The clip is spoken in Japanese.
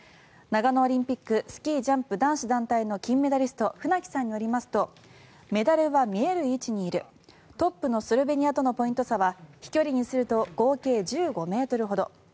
長野オリンピックスキージャンプ男子団体の金メダリスト船木さんによりますとメダルは見える位置にいるトップのスロベニアとのポイント差は飛距離にすると合計１５ｍほど。